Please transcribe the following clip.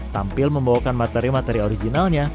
tampil membawakan materi materi originalnya